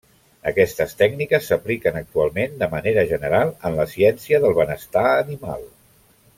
Aquestes tècniques s'apliquen actualment de manera general en la Ciència del benestar animal.